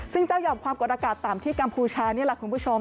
ซึ่งเจ้าหย่อมความกดอากาศต่ำที่กัมพูชานี่แหละคุณผู้ชม